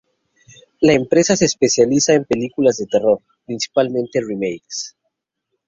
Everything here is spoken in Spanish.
La empresa se especializa en películas de terror, principalmente remakes.